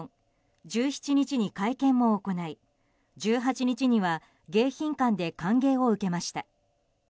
１７日に会見も行い１８日には迎賓館で歓迎を受けました。